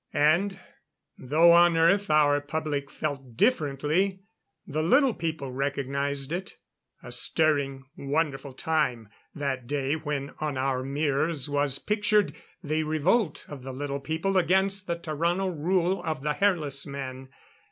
And though on Earth our public felt differently, the Little People recognized it. A stirring, wonderful time that day when on our mirrors was pictured the revolt of the Little People against the Tarrano rule of the Hairless Men.